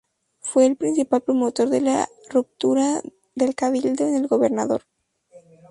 Fue el principal promotor de la ruptura del Cabildo con el Gobernador.